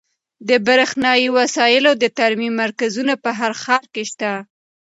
د برښنایي وسایلو د ترمیم مرکزونه په هر ښار کې شته.